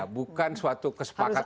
bukan suatu kesepakatan global